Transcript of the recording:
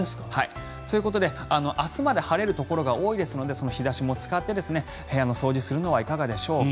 ということで、明日まで晴れるところが多いですのでその日差しも使って部屋の掃除をするのはいかがでしょうか。